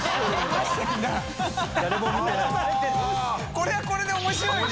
これはこれで面白いね。